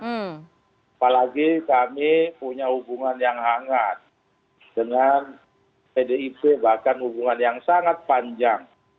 apalagi kami punya hubungan yang hangat dengan pdip bahkan hubungan yang sangat panjang